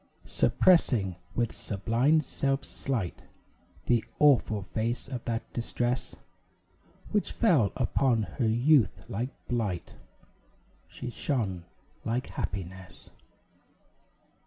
Suppressing, with sublime self slight, The awful face of that distress Which fell upon her youth like blight, She shone like happiness.